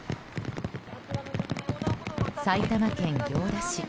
埼玉県行田市。